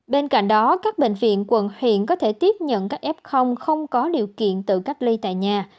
bên cạnh đó các bệnh viện quận huyện có thể tiếp nhận các f không có điều kiện tự cách ly tại nhà